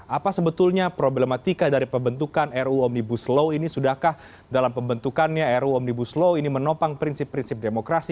apa sebetulnya problematika dari pembentukan ru omnibus law ini sudahkah dalam pembentukannya ruu omnibus law ini menopang prinsip prinsip demokrasi